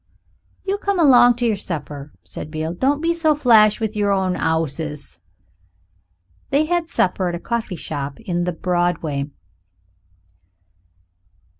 "You come along to yer supper," said Beale; "don't be so flash with yer own 'ouses." They had supper at a coffee shop in the Broadway.